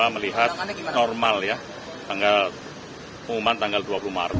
melihat normal ya tanggal pengumuman tanggal dua puluh maret